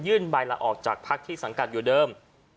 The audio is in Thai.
ใบละออกจากพักที่สังกัดอยู่เดิม